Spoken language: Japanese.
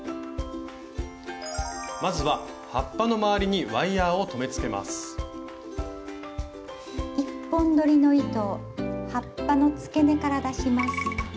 まずは葉っぱの周りに１本どりの糸を葉っぱのつけ根から出します。